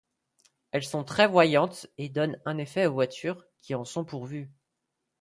Elles sont très voyantes et donnent un effet aux voitures qui en sont pourvues.